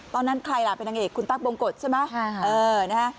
ตอนนั้นใครล่ะเป็นนางเอกคุณตั๊กบงกฎใช่ไหม